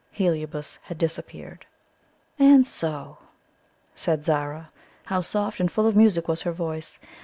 Heliobas had disappeared. "And so," said Zara how soft and full of music was her voice!